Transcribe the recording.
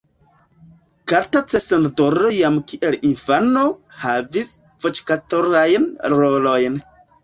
Kata Csondor jam kiel infano havis voĉaktorajn rolojn.